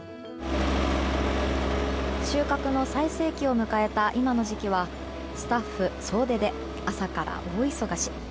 収穫の最盛期を迎えた今の時期はスタッフ総出で、朝から大忙し。